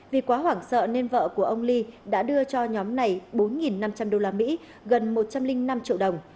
vì quá hoảng sợ nên vợ của ông lee đã đưa cho nhóm này bốn năm trăm linh đô la mỹ gần một trăm linh năm triệu đồng